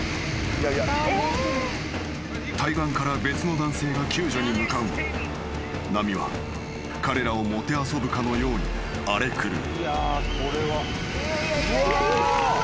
［対岸から別の男性が救助に向かうも波は彼らをもてあそぶかのように荒れ狂う］